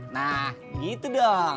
nah gitu dong